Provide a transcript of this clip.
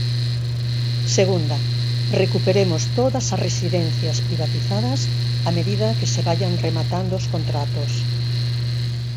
Segunda, recuperemos todas as residencias privatizadas a medida que se vaian rematando os contratos.